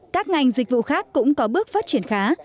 các ngành dịch vụ khác cũng có bước phát triển khá